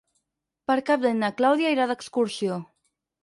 Per Cap d'Any na Clàudia irà d'excursió.